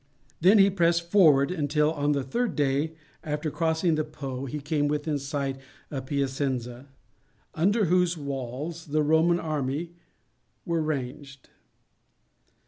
Then he pressed forward until on the third day after crossing the Po he came within sight of Piacenza, under whose walls the Roman army were ranged.